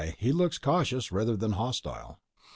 He looks cautious rather than hostile."